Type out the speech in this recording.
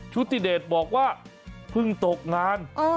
ชุติเดชบอกว่าเพิ่งตกงาน